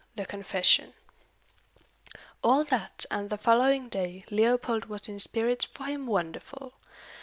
THE CONFESSION. All that and the following day Leopold was in spirits for him wonderful.